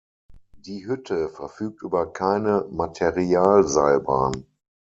Die Hütte verfügt über keine Materialseilbahn.